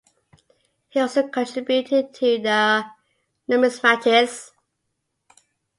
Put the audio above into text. He also contributed to "The Numismatist".